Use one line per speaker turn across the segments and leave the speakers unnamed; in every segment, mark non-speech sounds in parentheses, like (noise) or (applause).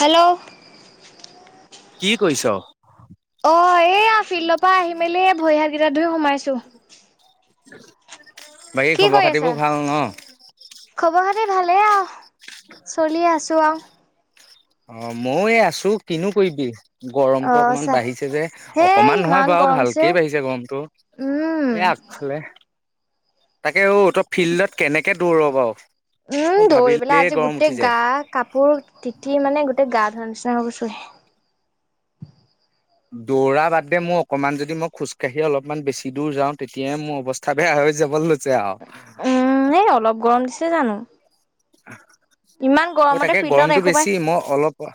Hello
কি কৰিছ?
অহ এইয়া ফিল্ডৰ পৰা আহি মেলি ভৰি হাতকেইটা ধুই সোমাইছো।
বাকী
কি
খবৰ
কৰি আছা
খাতিবোৰ ভাল ন?
খবৰ খাতি ভালেই আও চলি আছো আও
অহ মইয়ো এই আছো কিনো কৰিবি।
অ
গৰমতটো অকমান
চা
বাঢ়িছে যে
হেই
অকমান নহয়
ইমান
বাৰু
গৰম দিছে
ভালকেই বাঢ়িছে গৰমতটো।
উম
এয়া আগফালে তাকে আহ তই ফিল্ডত কেনেকে দৌৰ বাৰু
উম
মোৰ
দৌৰি
ভাবিলে
পেলাই আজি
গৰম উঠি
গোটেই গা
যায়
কাপোৰ তিতি মানে গো তাতে গা ধোৱা নিচিনা হৈ গৈছো হে
দৌৰা বাদে মোৰ অকমান যদি মই খোজকাঢ়ি অলপমান বেছি দূৰ যাওঁ তেতিয়াইে মোৰ অৱস্থা বেয়া হয়। হৈ যাব লৈছে আও
উম এই অলপ গৰম দিছে জানো। ইমান
তই
গৰমতে
অতাকে
ফিল্ডত
গৰমটো
এসোপাই
বেছি মই অলপ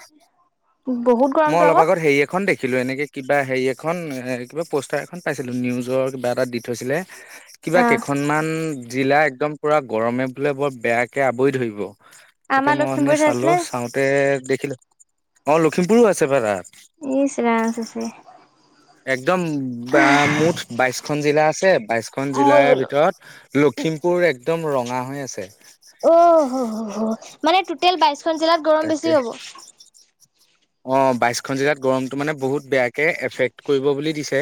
বহুত
মই
গৰমটো
অলপ
আকৌ
আগত হেৰি এখন দেখিলো এনেকে কিবা হেৰি এ এখন এ কিবা পোষ্টাৰ এখন পাইছিলো নিউজৰ কিবা এটা দি থৈছিলে। কিবা
অ
কেইখনমান জিলা একদম পোৰা গৰমে বোলে বৰ বেয়াকে আৱৰি ধৰিব। তাকে
আমাৰ
মই অথনি
লখিমপুৰ চাইছিলে নি?
চাওঁতে দেখিলো অহ লখিমপুৰো আছে পায় তাত।
ইচ ৰাম চেচে
একদম মুঠ বাইশখন জিলা আছে বাইশখন
মৰি
জিলাৰ
গলো
ভিতৰত দ লখিমপুৰ একদম ৰঙা হৈ আছে।
উ (unintelligible) মানে টুতেল কোনখন জিলাত গৰম বেছি হ'ব?
অহ বাইশখন জিলাত গৰমতটো মানে বহুত বেয়াকে এফেক্ট কৰিব বুলি দিছে।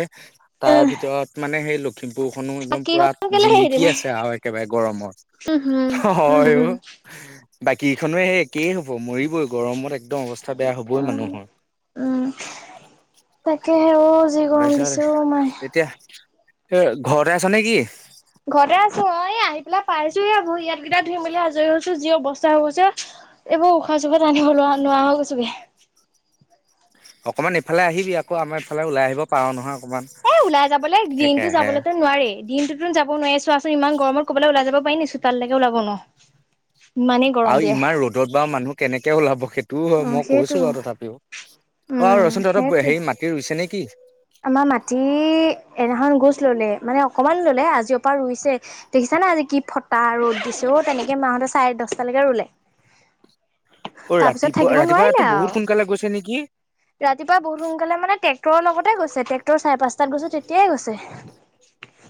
তাৰ ভিতৰত মানে সেই লখিমপুৰখনো একদম
বাকী
পুৰা
খন কেলে এৰি দিলে
জিলিকি আছে আৰু একেবাৰে গৰমত
উম উম উম
বাকীখনে সেই একেই হব মৰিবই গৰমত একদম অৱস্থা বেয়া হ'ব হ
অ'
ৱৈমানুহৰ
উম তাকেহে অ' যি গৰম
বেছাৰা
দিছে অ' মাই।
এতিয়া ঘৰতে আছ নে কি?
ঘৰতে আছো অ এ আহি পোনে পাইছো হে ভৰি হাত কিটা ধুই মেলি আজৰি হৈছো যি বস্তা হৈ গৈছে এইবোৰ উশাহ চুখা তানিবলে‌ অহ নোৱাৰা হৈ গৈছো‌ গে,
(unintelligible) অকণমান এইফালে আহিবি আকৌ আমাৰ ইফালে ওলাই আহিব পাৰো নহয় অকণমান
এ ওলাই যাবলৈ দিনটো যাবলেতো নোৱাৰি দিনটোত যাব ফোন মাৰি আছো আছো ইমান গৰমত কৰবালৈ ওলাই যাব পাৰি নেকি চোতালৈকে ওলাব নোৱাৰ ।
আৰু ইমান ৰ'দত বা মানুহ কেনেকে ওলাব হেত দূৰ হয়
অ'
মই
সেইটো
কৈছো আৰু তথাপিও অহ
উম
ৰ চোন তহঁতৰ
সেইটোৱে।
হেৰি মাটি ৰুইছে নেকি?
আমাৰ মাটি এইনাখন গৈ মানে মানে অকমান ললে আজি অহ পৰা ৰুইছে দেখিছা, সেইকাৰণে আজি কি ফটা ৰ'দ দিছে অ তেনেকে মাহঁতে চাৰে দহটালৈকে ৰুলে।
অহ
তাৰ পিছত থাকিব
ৰাতিপুৱা
নোৱাৰিলে
ৰাতিপুৱাতটো
আৰু
বহুত সোনকালে গৈছে নেকি?
ৰাতিপুৱা বহুত সোনকালে মানে ট্ৰেক্টৰ লগতে গৈছে ট্ৰেক্টৰ চাৰে পাঁচটাত গৈছে তেতিয়াই গৈছে ।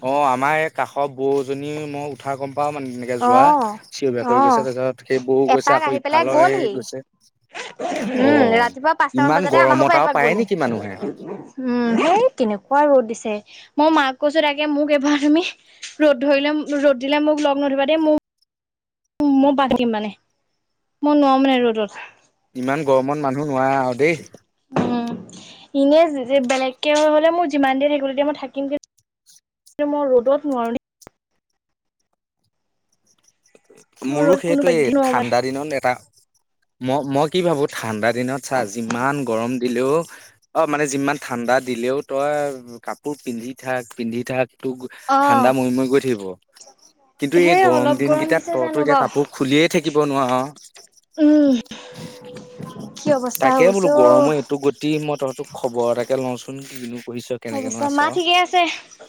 অহ আমাৰ এই কাষৰ বৌজনী মই উঠা গম পাওঁ মানে তেনেকে
অ
যোৱা চিঞৰি
অ
বাখৰি গৈছে তাৰপিছত সেই বৌ গৈছে
এপাক
আকৌ
আহি পেলাই
ইফালে
গ'লহি
গৈছে অ।
উম ৰাতিপুৱা পাঁচটামান
ইমান
বজাতে আমাৰ ঘৰৰ
গৰমত
পৰা
আৰু
এপাক
পায়
গ'লে
নেকি মানুহে?
উম সেই এনেকুৱা ৰ'দ দিছে মই মাক কৈছো তাকে মোক এবাৰ তুমি ৰ'দ ধৰিলে ৰ'দ দিলে মোক লগ নধৰিবা দেই মোক মই পাতিম মানে মই নোৱাৰো মানে ৰ'দত
নোৱাৰা আৰু দেই
উম। এনেই যে বেলেগকে হলে মোৰ যিমান দেৰি থাকিবলৈ দিয়ে মই থাকিম। মই ৰ'দত নোৱাৰো দেই। মোৰ
মোৰো
ৰ'দ কোনো
সেইতোৱেই‌ এই
পধ্যে নোৱাৰো মই।
ঠাণ্ডা দিনত এটা মই মই কি ভাবোঁ ঠাণ্ডা দিনত চা যিমান গৰম দিলেও অ মানে যিমান ঠাণ্ডা দিলেও তই কাপোৰ পিন্ধি থাক পিন্ধি থাক ঠাণ্ডা মৰি মৰি গৈ থাকিব কিন্তু এই
হে
গৰম
অলপ
দিনকেইটাত
দিছে
তৰতো
জানো
এতিয়া
বাৰু।
কাপোৰ খুলিয়েই থাকিব নোৱাৰ
উম কি অৱস্থা হৈ
তাকে বোলো
গৈছে অ
গৰমৰ এইটো গতি মই তহঁতক খবৰ তাকে লওঁচোন কি কিনো কঢ়িছ কেনেকেনো
অৱস্থা
আছে
মা ঠিকে আছে?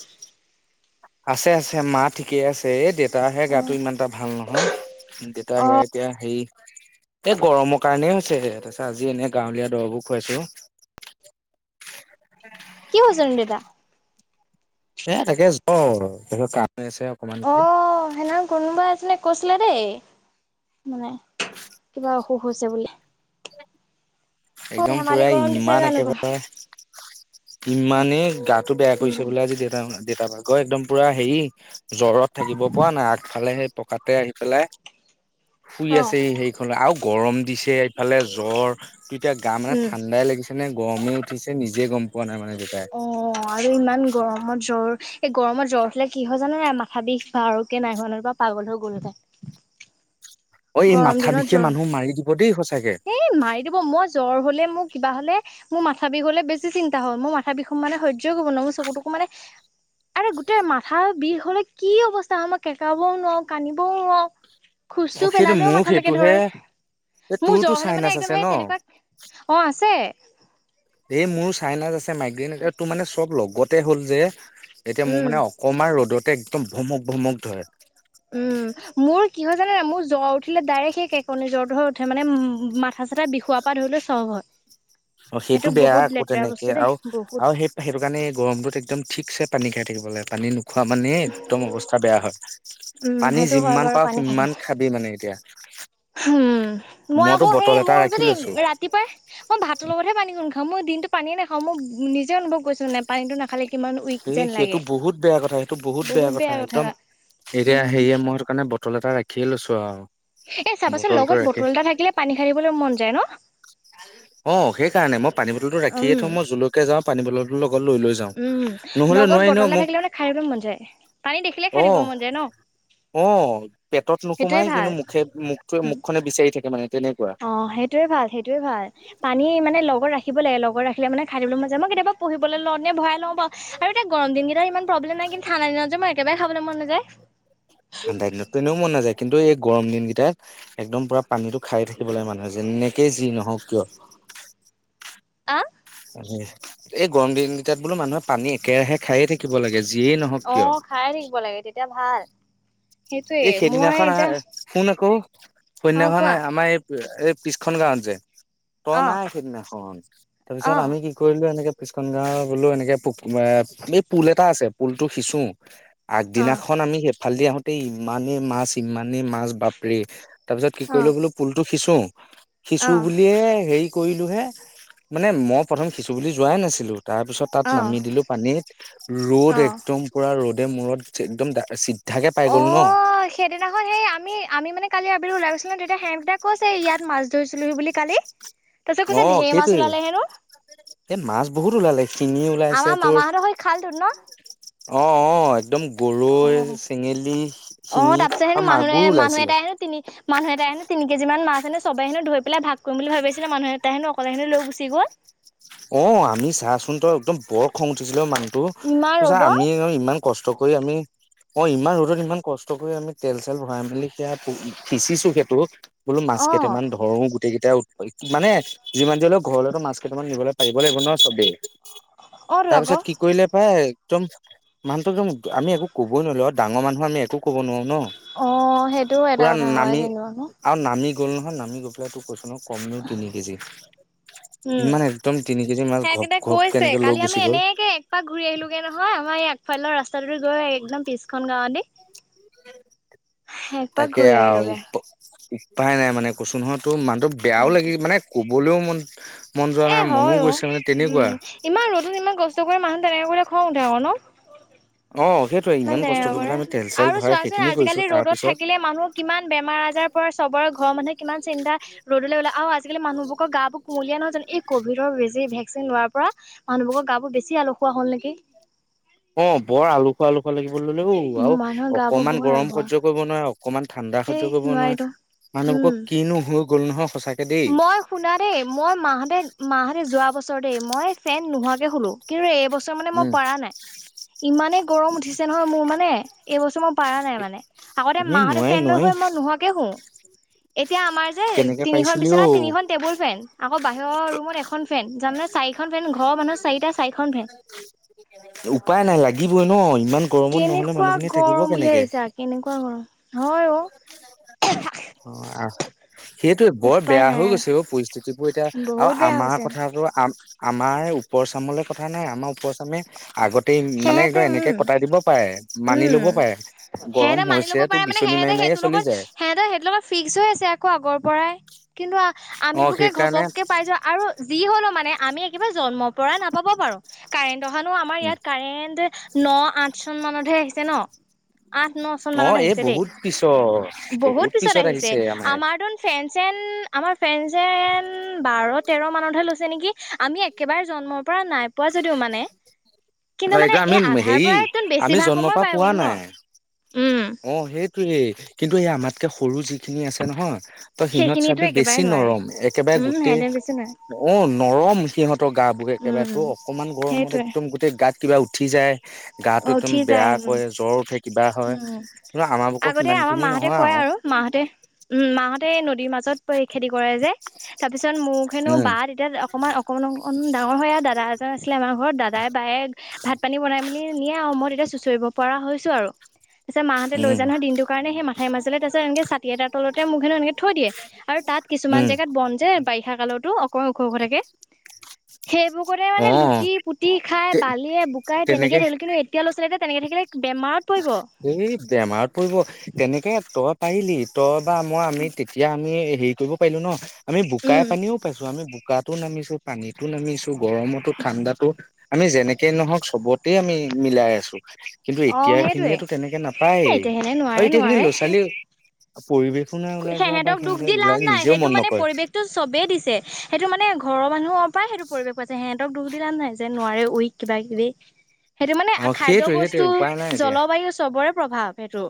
(inaudible) আছে আছে মা ঠিকে আছে এ দেউতাহে
অ
গাতটো ইমান এটা ভাল নহয় হা দেউতা হেৰা
অ',
এতিয়া হেই এই গৰমৰ কাৰণেই হৈছে তাৰপিছত আজি এনে গাঁৱলীয়া দৰবোৰ খুৱাইছো (inaudible)
কি হৈছে নো দেউতা?
এ তাকে জৰ কাহ হৈ আছে
অ
অকমানকে ।
সেইদিনা কোনোবা এজনে কৈছিলে দেই মানে কিবা অসুখ হৈছে বুলি অ
একদম
ধেমালি
পুৰা
গৰম দিছে
ইমান
জানো বাৰু।
একেবাৰে ইমানেই গাটো বেয়া কৰিছে বোলে আজি দেতা দেউতা ভাগৰ একদম পুৰা হেৰি জ্বৰত থাকিব পৰা নাই আগফালে সেই পকাত তাতে আহিফালে শুই
অ',
আছে সেইখনত আৰু গৰম দিছে এইফালে জ্বৰ ত এতিয়া গা মানে
উম।
ঠাণ্ডাই লাগিছে নে গৰমে উঠিছে নিজে গম পোৱা নাই মানে দেউতাই
অ আৰু ইমান গৰমত জ্বৰ আৰু এই গৰমত জ্বৰ উঠিলে কি হয় জানে নাই মাথা বিষ বা আৰু কে নাই হোৱা নহলে‌ পাগল হৈ গলো‍ হেতেন
(inaudible) অ এই
গৰম
মাথা
দিনত
বিষে মানুহ মাৰি দিব দেই সঁচাকে
জোৰ এই মাৰি দিব মজ জ্বৰ হ'লে মোক কিব হলে মোৰ মাথা বিষ হলে বেছি চিন্তা হল মোৰ মাথা বিষ সম মানে সহ্য় কৰিব ন মোৰ চকুতো মানে আৰে গোটেই মাথাৰ বিষ হলে কি অৱস্থা হয় মই কেকাবও নোৱাও কানিবও নোৱাও
অ সেইটো মোক সেইটোহে এই
মোৰ
তোৰতো
জ্বৰ হ'লে মানে
চাইনাচ
একদম
আছে ন
সেই তেনেকুৱা অ' আছে
এই মোৰ চাইনাচ্ আছে মাইগ্ৰেইন তোৰ মানে চব লগতে হ'ল যে এতিয়া মোৰ
উম
মানে অকমান ৰ'দত একদম ভ্ৰমক ভমক ধৰে
উম মোৰ কি হয় জানে মোৰ জ্বৰ উিলে ডাইৰেক্ট সেই কেকনি জ্বৰটো হৈ উঠে মানে মাথা চাতা বিষুখোৱা ধৰিলেও চব হয়
অ সেইটো বেয়া
বহুত
আকৌ
লেতেৰা
তেনেকে
বস্তু দেই
আৰু
বহুত
আৰু সেই সেইটো কাৰণে গৰমটোত একদম ঠিকছে পানী খাই থাক লাগে পানী খোৱা মানে একদম অৱস্থা বেয়া হয়
উম
পানী
সেইটো হয়
যিমান
বাৰু
পাওঁ
পানী খাই
সিমান খাবি মানে এতিয়া
উম মই
মইতো
আকৌ সেই
বটল এটা
মোৰ
ৰাখি
যদি
লৈছো
ৰাতিপুৱাই মই ভাতৰ লগতহে পানী কন খাওঁ হ মই দিনটো পানীয়েে নাখা মই নিজে অনুভৱ কৰিছো নে পানীটো নাখালে কিমান উইক
এ
যেন
সেইটো
লাগে
বহুত বেয়া কথা সেইটো বহুত বেয়া কথা একদম এতিয়া
উম
সেয়ে মই কাৰণে বটল এটা ৰাখিয়ে লৈছো আউ
এ চাবাচোন লগত বটল এটা থাকিলে পানী খাৰিবলৈ মন যায় ন
অ সেই কাৰণে মই পানী বটল টো ৰাখিয়ে
উম
থওঁ মই জোলৈকে যাওঁ পানী বটল
উম লগত
ন
বটলটা
মোক
থাকিলে মানে খাইিবলৈ মন যায় পানী দেখিলে খাই
অ
দিব মন যায় ন
অ পেটত
সেইটোৱে
নোসোমাই
ভাল
কিন্তু মুখে মুখে মুখনে বিচাৰি থাকে মানে তেনে
অ সেইটোয়ে ভাল সেইটোয়ে ভাল পানী মানে লগত ৰাখিব লাগে লগত ৰাখিলে মানে খাই থাকিবলৈ মন যাই মই কেতিয়াবা পঢ়িবলৈ লওঁতে ভৰাই লওঁ বও আৰু এতিয়াৰ দিনকেইটা ইমান প্ৰব্লেম নাইন্ত ঠাণ্ডা দিনত যে মই কেবাৰে খাবলৈ মন নাযায়
ঠাণ্ডা দিনতো এনেও মন নাযায় কিন্তু এই গৰম দিন কেইটাত একদম পুৰা পানীতো খাই থাকিব লাগে মানুহে যেনেকে যি নহওক কিয়
আহ
এই গৰম দিনকেইটাত বোলো মানুহে পানী একেৰাহে খাইয়ে থাকিব লাগে যিয়েই নহওক
অ
কিয়
খাই থাকিব লাগে তেতিয়া ভাল সেইটোয়ে
এই
মই
সেইদিনাখন আহ
এতিয়া
শুন আকৌ
অ'
সৌদিনাখন
কোৱা
আমাৰ এই এই পিছখন গাঁৱত যে তই
অ'
নাই সিদিনাখন তাৰপিছত
অ'
আমি কি কৰিলো এনেকে পিচন গাঁৱে গলো এনেকে পো এই পুল এটা আছে পুলতো সিঁচো
অ'
আগদিনাখন আমি সেইফালেদি আহোতে এই ইমানেই মাছ ইমানেই মাছ বাপৰে তাৰ পিছত কি
অ'
কৰিলো বোলো পুলটো সিচো সিচু
অ'
বুলিয়ে হেৰি কৰিলো হে মানে মই প্ৰথম সিচু বুলি যোৱাই নাছিলো তাৰপিছত তাত
অ'
নামি দিলো পানীত ৰ'দ
অ'
একদম পুৰা ৰ'দ মূৰত একদম চিদ্ধা
অ সেইদিনাখন সেই আমি আমি মানে কালি আবেলি ওলাই গৈছিল তেতিয়া হেম দাদাই কৈছে ইয়াত মাছ ধৰিছিলো হি বুলি কালি তাৰপিছত
অ
কৈছে ঢেৰ মাছ
সেইটোৱে
ওলালে হেনো
এ মাছ বহুত ওলালে শিঙি ওলাইছে
আমাৰ
তোৰ
মামাহঁতৰ সেই খালটোত ন
অ অ একদম গৰৈ
অ'।
চেঙেলী
অ
শিঙি
তাৰ পিছতে
আৰু
মানুহে
মাগুৰ
মানুহ
ওলাইছিলে
এটাই তিনি মানুহ এটাই তিনি কেজি মান মাছ হেনো চবে হেনো ধৰি পেলাই ভাগ কৰিম বুলি ভাবি আছিলে মানুহ এটাই হেনো অকলে হেনো লৈ গুচি গল
অ আমি চাচোন তই একদম বৰ খং উঠিছিল মানুহটো
ইমান
তোৰ চা
ৰ'দত।
আমি ইমান কষ্ট থকৈ আমি অ ইমান ৰ'দত ইমান কষ্ট কৰি আমি তেল চেল ভৰাই মেলি সেয়া সিঁচিছো সেইটো বোলো মাছে
অ',
কেইটামান ধৰো গোটেই কেইটা মানে যিমান যি হলেও ঘৰলেতো মাছ কেইমান নিবলে পাৰিব লাগিব ন চবেই
অ', তো আকৌ।
তাৰপিছত কি কৰিলে পাই একদম মানুহটো একদম আমি একো কবই নোৱাৰিলোঁ আৰু ডাঙৰ মানুহ আমি একো কব নোৱাৰো ন
অ', সেইটোও এটা
পুৰা
কথা হয়
নামি
কিন্তু আকৌ।
আৰু নামি গ'ল নহয় নামি গৈ পেলাই তোক কৈছ ন কম হলেও তিনি কেজি ইমান। তিনি কেজি মাছ ঘপ
হেগিতা
ঘপ
কৈছে
কেনেকে লৈ
কালি আমি
গুচি গ'ল
এনেকে একপাক ঘূৰি আহিলোগে নহয় আমাৰ ইয়াত। ফাল লৰ ৰাস্তাটো গৈ একদম পিছখন গাওঁ দি।
তাকে
ঘূৰি
আও
আহিলোগে।
প দি উপাই নাই মানে কৈছো নহয় তোৰ মানুহটো বেয়াও লাগি মানে ক'বলৈও মন। মন যোৱা
এ
নাই মনো
হয় অ
গৈছে মানে তেনেকুৱা
উম ইমান ৰ'দ ইমান কষ্ট কৰে মানুহ। তেনেকে কৰিলে খং ওঠে আকৌ ন।
অ সেইটোৱে
ইমান
কষ্ট
তেনেকা
কৰি
কৰে
পেলাই আমি তেল চেল
আৰু
ভৰাই
চোৱাচোন
সেইখিনি কৰিছো
আজিকালি
তাৰ
ৰ'দত
পিছত
থাকিলে মানুহ কিমান বেমাৰ আজাৰৰ পৰা চব। ঘৰ মানুহে কিমান চিন্তা ৰদলৈ ওলা আ আজিকালি মানুহবোৰক গা বোৰ কুমলীয়া নহয় জানো। এই কভিডৰ বেজী ভেকচিন লোৱাৰ পৰা মানুহবোৰৰ গা বোৰ বেছি আলহুৱা হ'ল নিকি।
অ বৰ আলসুৱা আলসু কেনেকুৱা লাগিব ললে ঔ
উম
আৰু
মানুহৰ গাবোৰ
অকমান
বহুত
গৰম
আলসুৱা
সহ্য কৰিব নোৱাৰে অকমান ঠাণ্ডা
সেই
সহ্য কৰিব
নোৱাৰিতো
নোৱাৰে। মানুহ বোক
উম
কিনো হল
মই শুনা দেই মই মা হতে মা হঁতে যোৱা বছ- ছৰ দেই মই ফেন নোহোৱাকে শুলো কিন্তু এইবছৰ মানে মই
উম
পাৰা নাই। ইমানেই গৰম উঠিছে নহয় মোৰ মানে এই বছৰ মই পাৰা নাই মানে আগতে
এই
মা হতে
নোৱাৰি
ফেন লৈ
নোৱাৰি
শুৱে। মই নোহোৱাকে শু এতিয়া আমাৰ যে
কেনেকে
তিনিখন
পাইছিলি
বিছ
অ
তিনিখন টেবুল ফেন আকৌ বাহিৰৰ ৰুমত এখন ফেন জানে চাৰিখন ফেন ঘৰৰ মানুহৰ চাৰিটা চাৰিখন। বে
উপায় নাই লাগিবই ন ইমান গৰমত নহলে
কেনেকুৱা
মানুহখিনি থাকিব
গৰম বুলি
কেনেকে
ভাবিছা কেনেকুৱা গৰম হয় অ
অ আহ সেইটো বৰ
উপায়
বেয়া
নাই
হৈ গৈছে
আৰু
অ পৰিস্থিতিবোৰ এতিয়া আৰু
বহুত বেয়া
আমাৰ
হৈছে
কথাটো আম আমাৰ ওপৰ চামলৈ কথা নাই আমাৰ ওপৰ চামে আগতেই মানে একদ
সেহেঁতে উম
এনেকে কটাই দিব পাৰে। মানি
উম
লব পাৰে গৰম
সেহেঁতে মানি ল'ব
হৈছে তো
পাৰে মানে
বিচনী
সেহেঁতে
মাৰি মাৰি
সেইটো
য়ে চলি
লগত
যায়।
সেহেঁতে সেইটো লগত ফিক্স হৈ আছে আকৌ আগৰ পৰা কিন্তু
অ
আমিবোকে
সেইকাৰণে
ঘপককে পাই যোৱা আৰু যি হলো মানে। আমি একেবাৰে জন্মৰ পৰা নাপাব পাৰো কাৰেণ্ট অহানো আমাৰ ইয়াত কাৰেণ্ট। ন আঠ চন মানতহে আহিছে ন। আঠ ন চন
অ
মানত
এই
আহিছে দেই।
বহুত পিছত
বহুত পিছত আহিছে আমাৰ দোন ফেন ফেন আমাৰ ফ্ৰেণ্ড যেন বাৰ তেৰ মানতহে লৈছে নেকি আমি একেবাৰে জন্ম। নাই পোৱা যদিও মানে কিন্তু মানে এই আধাৰ পৰাইত বেছি ভাগ
প পোৱা নাই। অ সেইটোয়েই কিন্তু এই আমাত কে সৰু যি। খিনি আছে নহয় ত সিহঁত
সেইখিনিতো
চাবি
একেবাৰে
বেছি
নোৱাৰে
নৰম একেবাৰে
উম
গোটেই
সিহঁতে বেছি নোৱাৰে
অ নৰম সিহঁতৰ গা বোৰে একেবাৰে ত
উম
অকমান গৰমত
সেইটোৱে
একদম গোটেই গাত কিবা উঠি যায় গাটো একদম
উঠি
বেয়া
যায় উম
কয় জ্বৰ উঠে কিবা হয়।
উম
আমাৰ বুকৰ
আগতে
সিমান
আমাৰ
খিনি
মাহতে
নহয়
কয় আৰু মাহতে উম মাহতে নদীৰ মাজত পই খেতি কৰে য়ে। তাৰপিছত মোৰ হেনো
উম
বা তেতিয়া অকণমান অকমান অকমান ডাঙৰ হয় আৰু দাদা এজন আছিলে আমাৰ ঘৰত দাদাই বায়ে। ভাত পানী বনাইম বুলি নিয়ে আৰু মই তেতিয়া ছুঁচৰিব পৰা হৈছো আৰু। পিছে মাহতে লৈ
উম
নহয় দিনটো কাৰণে সেই মাঠাই মাজলৈ তাৰাছত এনেকে ছাটি তলতে মোক হেনো এনেক থৈয়ে আৰু তাত কিছুমান
উম
জেগাত বন যে বাৰিষা কালতো অ ক ওখ খ থাকে। সেইবোৰ কৰোতে
অ
মানে লুটি পুতি খাই বালিয়ে বোকাই তেনেকে থাকিলো কিন্তু এতিয়া লৰা ছোৱালীয়ে। তেনেকে থাকিলে বেমাৰ
এই বেমাৰত পৰিব তেনেকে তই পাৰিলি তই বা মই আমি তেতিয়া আমি হেৰি কৰিব পাৰিলো ন আমি বোকাই
উম
পানীও পাইছো আমি। বোকাতো নামিছো পানীতো নামিছো গৰমতো ঠাণ্ডাতো আমি যেনেকে নহওক চবতে আমি মিলাই আছো কিন্তু
অ
এতিয়া
সেইটোৱে
খিনিয়েতো তেনেকে নাপায়েই,
এ এতিয়া সেনে
আৰু
নোৱাৰে
এতিয়া খিনি ল'ৰা ছোৱালী পৰিৱেশ
সেহঁতক দুখ দি লাভ নাই, সেইটো
মন
মানে
নকৰে
পৰিৱেশতটো চবেই দিছে। সেইটো মানে ঘৰৰ মানুহৰ পৰা সেইটো পৰিৱেশ পাইছে। সেহঁতক দুখ দি লাভ নই যে নোৱাৰে উইক কিব কিবি। সেইটো মানে
অ
খাদ্য
সেইটোৱে সেইটোৱে
বস্তু
উপায় নাই এতিয়া
জলবায়ু চবৰে প্ৰভাৱ সেইটো।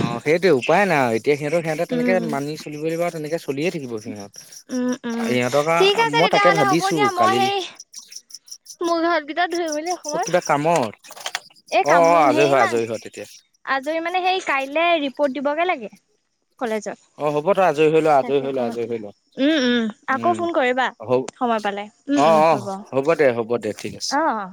অ সেইটোয়ে উপায় নাই আও, এতিয়া সিহঁতক সিহঁতে তেনেকে
উম
মানি চলিব লিব আও তেনেকে চলিয়ে থাকিব সিহঁত,
উম উম
ইহঁতক আও
ঠিক আছে
মই তাকে
তেতিয়াহ'লে হ'ব
ভাবিছো
দিয়া মই
কালিল
সেই মোৰ ঘৰ দি
অ কিবা কামৰ? অ
এই কাম
অ আজৰি
হেৰি
হয়
ইমান
আজৰি হয় তেতিয়া।
আজৰি মানে সেই কাইলে ৰিপৰ্ট দিবগে লাগে। কলেজত,
অ হ'ব তই আজৰি হৈ লোৱা আজৰি
তাকে
হৈ লোৱা আজৰি হৈ লোৱা
ককমতে উম উম আকৌ ফোন কৰিবা।
হ
সময় পালে উম
অ
উম
অ
হ'ব,
দে হ'ব দে ঠিক আছে
অ অ।